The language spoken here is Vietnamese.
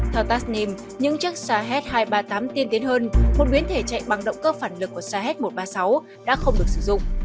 theo tastnim những chiếc sah hai trăm ba mươi tám tiên tiến hơn một biến thể chạy bằng động cơ phản lực của sah một trăm ba mươi sáu đã không được sử dụng